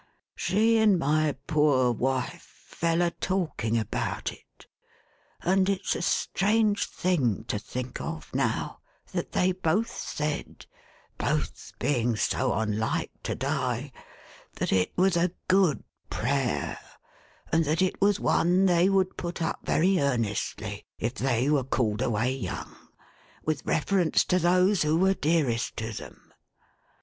She and my poor wife fell a talking about it ; and it's a strange thing to think of, now, that they both said (both being so unlike to die) that it was a good prayer, and that it was one they would put up very i aruotlv, if they were called away young, with reference to those who were dearest to them.